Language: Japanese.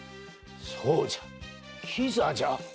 そうじゃ跪座じゃ。